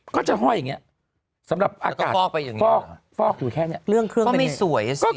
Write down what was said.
ก็จะห่อยอย่างเนี้ยสำหรับอากาศเรื่องเครื่องก็ไม่สวยนะสิ